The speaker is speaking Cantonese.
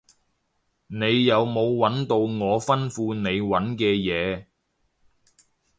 你有冇搵到我吩咐你搵嘅嘢？